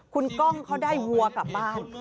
คุณกล้องเขาได้วัวกลับบ้าน